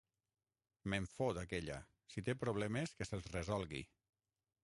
Me'n fot, aquella: si té problemes, que se'ls resolgui!